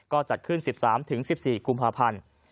ก็จัดขึ้น๑๓๑๔กุมภาพันธ์